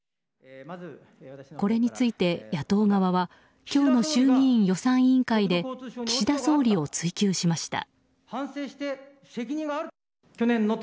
これについて、野党側は今日の衆議院予算委員会で岸田総理を追及しました。